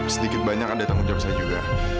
sedikit banyak ada tanggung jawab saya juga